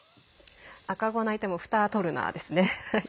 「赤子泣いてもふた取るな」ですね。